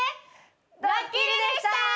ドッキリでした！